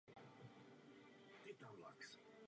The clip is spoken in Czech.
Dovolte mi objasnit náš problém.